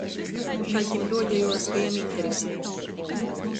Šaļtim ruodejuos, ka jam interesej.